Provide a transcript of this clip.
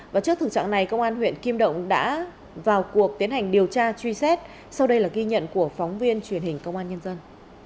và trước thực trạng này công an huyện kim động đã vào cuộc tiến hành điều tra truy xét sau đây là ghi nhận của phóng viên truyền hình công an nhân dân